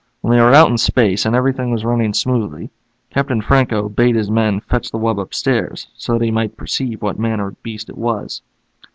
When they were out in space and everything was running smoothly, Captain Franco bade his men fetch the wub upstairs so that he might perceive what manner of beast it was.